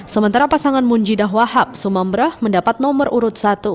sementara pasangan munjidah wahab sumambrah mendapat nomor urut satu